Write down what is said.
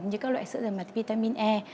như các loại sữa rửa mặt vitamin e